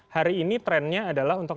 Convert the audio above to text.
hari ini trennya adalah untuk